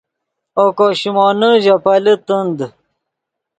اوکو شیمونے ژے پیلے تند